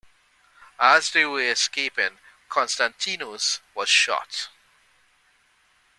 As they were escaping Konstantinos was shot.